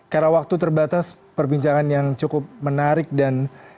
karena waktu terbatas perbincangan yang cukup menarik dan